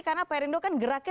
karena perindo kan geraknya